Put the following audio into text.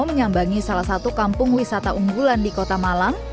menyambangi salah satu kampung wisata unggulan di kota malang